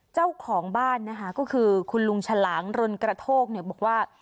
เจ้าของบ้านนะคะก็คือคุณลุงฉลางรนกระโทกเนี่ยบอกว่า